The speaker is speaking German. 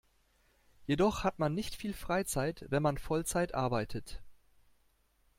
Jedoch hat man nicht viel Freizeit, wenn man Vollzeit arbeitet.